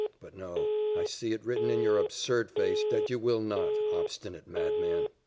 But no, I see it written in your absurd face, that you will not obstinate madman!